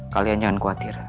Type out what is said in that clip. kalian jangan khawatir